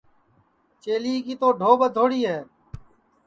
چیلیے کی تو ڈھو ٻدھوڑی ہے